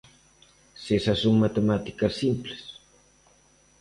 Se esas son matemáticas simples.